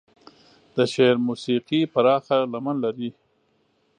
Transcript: د شعر موسيقي پراخه لمن لري.